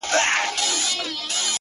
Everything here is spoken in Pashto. هغه ورځ په واک کي زما زړه نه وي-